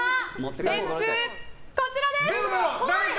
点数こちらです！